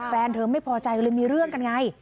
แฟนเธอไม่พอใจก็เลยมีเรื่องกันไง